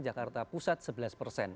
jakarta pusat sebelas persen